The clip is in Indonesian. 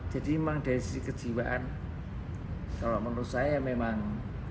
jadi memang dari sisi kejiwaan kalau menurut saya memang